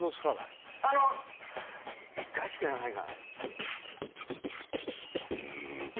１回しかやらないからね。